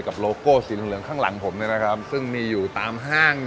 โลโก้สีเหลืองข้างหลังผมซึ่งมีอยู่ตามห้าง